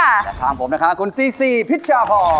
และข้างผมนะคะคุณซีซีพิชาพอร์